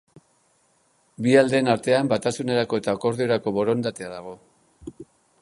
Bi aldeen artean batasunerako eta akordiorako borondatea dago.